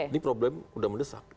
ini problem sudah mendesak